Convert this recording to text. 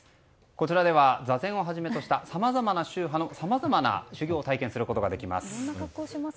こちらでは座禅をはじめとしたさまざまな宗派のさまざまな修行を体験することができます。